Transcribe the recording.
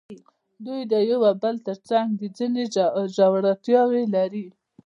دوی د یو او بل تر څنګ دي او ځینې ژورتیاوې لري.